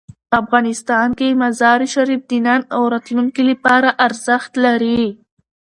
افغانستان کې مزارشریف د نن او راتلونکي لپاره ارزښت لري.